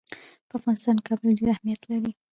په افغانستان کې کابل ډېر اهمیت لري.